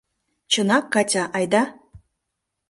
— Чынак, Катя, айда.